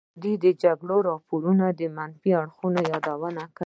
ازادي راډیو د د جګړې راپورونه د منفي اړخونو یادونه کړې.